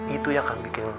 itu yang akan bikin